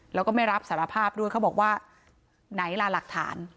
แล้วก็ไม่รับสารภาพด้วยเขาบอกว่าไหนล่ะหลักฐาน